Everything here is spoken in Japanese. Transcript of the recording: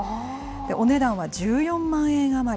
お値段は１４万円余り。